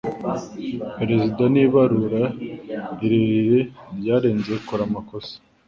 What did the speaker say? perezida n'ibarura rirerire ryarenze kure amakosa